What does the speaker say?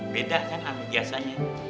beda kan arti biasanya